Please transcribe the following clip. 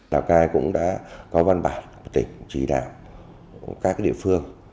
sở nông nghiệp cũng đã có văn bản tỉnh trí đạo các địa phương